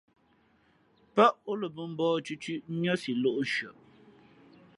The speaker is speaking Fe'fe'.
Pάʼ ǒ lα mbᾱ mbǒh cʉ̄cʉ̄ niά siʼ lōʼ nshʉαʼ.